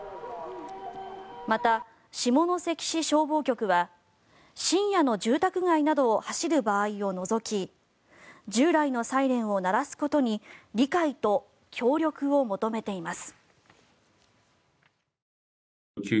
また、下関市消防局は深夜の住宅街などを走る場合を除き従来のサイレンを鳴らすことに理解と協力を求めています。